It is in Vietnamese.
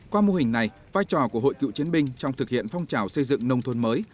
qua mô hình này vai trò của hội cựu chiến binh trong thực hiện phong trào xây dựng nông thôn mới